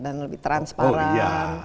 dan lebih transparan